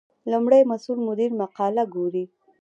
لومړی مسؤل مدیر مقاله ګوري.